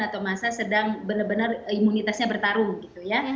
atau masa sedang benar benar imunitasnya bertarung gitu ya